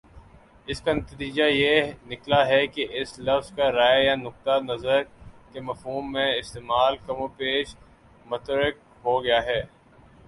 اس کا نتیجہ یہ نکلا ہے کہ اس لفظ کا رائے یا نقطۂ نظر کے مفہوم میں استعمال کم و بیش متروک ہو گیا ہے